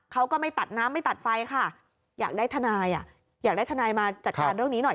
เขาก็ไม่ตัดน้ำไม่ตัดไฟค่ะอยากได้ทนายมาจัดการเรื่องนี้หน่อย